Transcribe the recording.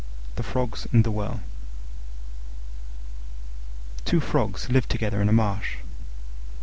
THE FROGS AND THE WELL Two Frogs lived together in a marsh.